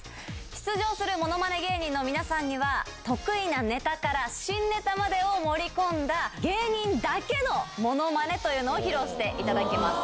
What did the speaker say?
出場するものまね芸人の皆さんには、得意なネタから新ネタまでを盛り込んだ芸人だけのものまねというのを披露していただきます。